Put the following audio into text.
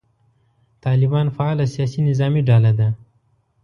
طالبان فعاله سیاسي نظامي ډله ده.